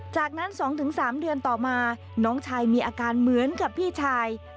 จากนั้น๒๓เดือนต่อมาน้องชายมีอาการเหมือนกับพี่ชาย